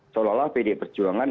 seolah olah pd perjuangan